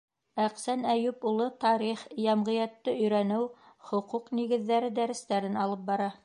Әҡсән Әйүп улы тарих, йәмғиәтте өйрәнеү, хоҡуҡ нигеҙҙәре дәрестәрен алып бара.